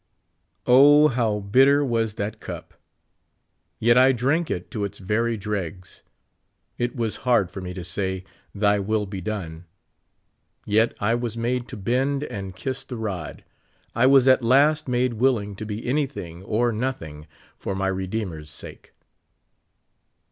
O, how bitter was that cup. Yet I drank it to its very dregs. It was hard for me to say, Th}^ will be done ; yet I was made to bend and kiss the rod. I was at last made willing to be anything or nothing for my Redeemer s sake.